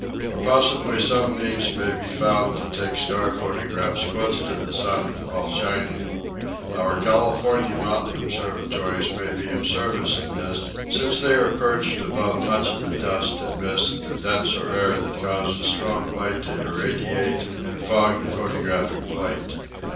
Or possibly some means may be found to take star photographs close to the sun while shining. Our California mountain observatories may be of service in this since they are perched above much of the dust and mist and denser air that cause a strong light to irradiate and fog the photographic plate.